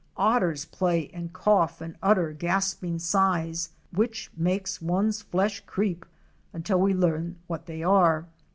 Otters play and cough and utter gasping sighs which make one's flesh creep until we learn what they are.